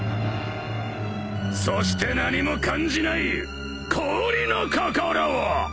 そして何も感じない氷の心を！